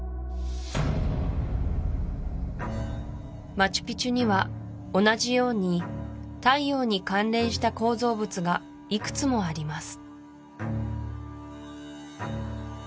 マチュピチュには同じように太陽に関連した構造物がいくつもあります